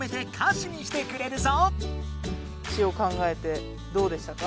詞を考えてどうでしたか？